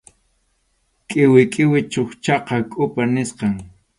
Qʼiwi qʼiwi chukchaqa kʼupa nisqam.